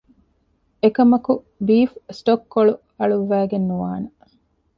އެކަމަކު ބީފް ސްޓޮކް ކޮޅު އަޅުއްވައިގެން ނުވާނެ